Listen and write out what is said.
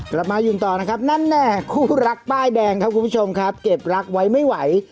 คู่รักป้ายแดงครับคุณผู้ชมครับเก็บรักไว้ไม่ไหว